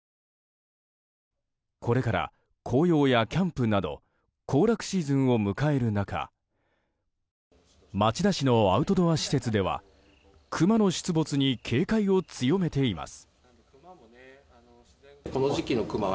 これから紅葉やキャンプなど行楽シーズンを迎える中町田市のアウトドア施設ではクマの出没に警戒を強めています。